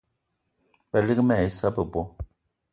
Balig mal ai issa bebo